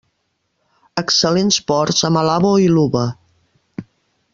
Excel·lents ports a Malabo i Luba.